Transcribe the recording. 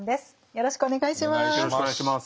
よろしくお願いします。